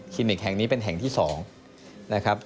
นิกแห่งนี้เป็นแห่งที่๒นะครับ